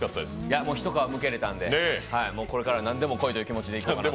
一皮剥けられたんで、これからは何でもこいという気持ちで。